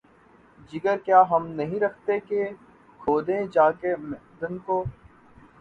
جگر کیا ہم نہیں رکھتے کہ‘ کھودیں جا کے معدن کو؟